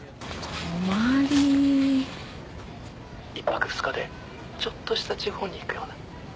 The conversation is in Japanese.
１泊２日でちょっとした地方に行くような。